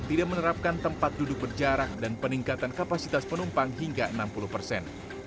tidak menerapkan tempat duduk berjarak dan peningkatan kapasitas penumpang hingga enam puluh persen